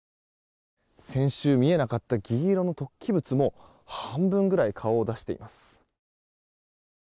先週、見えなかった銀色の突起物も半分ぐらい顔を出しています。